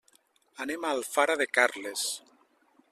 Anem a Alfara de Carles.